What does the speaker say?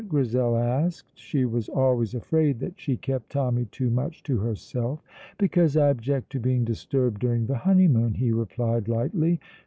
Grizel asked. She was always afraid that she kept Tommy too much to herself. "Because I object to being disturbed during the honeymoon," he replied lightly.